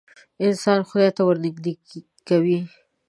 انسان خدای ته ورنیږدې کوې.